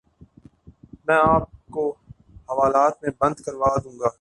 میں آپ کو حوالات میں بند کروا دوں گا